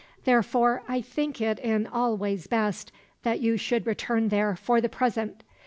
"Therefore, I think it in all ways best that you should return there, for the present.